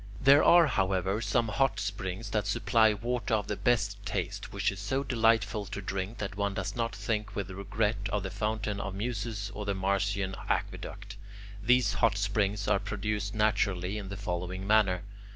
There are, however, some hot springs that supply water of the best taste, which is so delightful to drink that one does not think with regret of the Fountain of the Muses or the Marcian aqueduct. These hot springs are produced naturally, in the following manner.